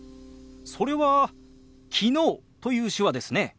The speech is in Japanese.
それは「昨日」という手話ですね。